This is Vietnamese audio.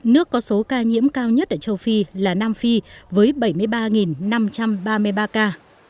nước có số ca nhiễm cao nhất ở châu phi là nam phi với bảy mươi ba năm trăm ba mươi ba ca